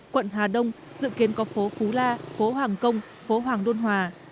quận hà đông dự kiến có phố phú la phố hoàng công phố hoàng đôn hòa